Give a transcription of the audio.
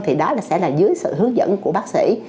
thì đó là sẽ là dưới sự hướng dẫn của bác sĩ